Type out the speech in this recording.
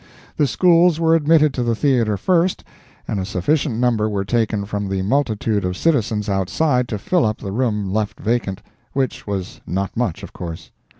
The Schools were admitted to the theatre first, and a sufficient number were taken from the multitude of citizens outside to fill up the room left vacant—which was not much, of course.